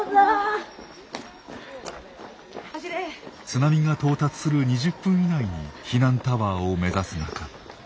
津波が到達する２０分以内に避難タワーを目指す中。